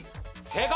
正解！